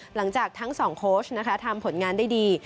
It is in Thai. หลังจากทั้งสองโค้ชนะคะทำผลงานได้ดี